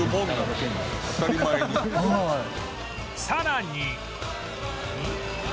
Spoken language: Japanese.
さらに